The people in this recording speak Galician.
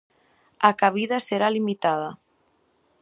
A cabida será limitada.